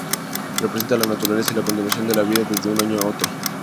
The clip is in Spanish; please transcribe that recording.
Representa la naturaleza y la continuación de la vida desde un año a otro.